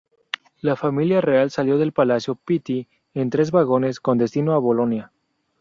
La familia real salió del Palacio Pitti en tres vagones, con destino a Bolonia.